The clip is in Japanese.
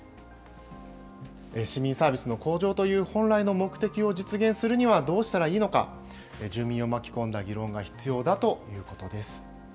市民サービスの向上という本来の目的を実現するには、どうしたらいいのか、住民を巻き込んだ議論が必要だということです。